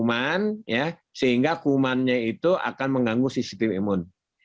kuman sehingga kumannya itu akan mengganggu sistem imun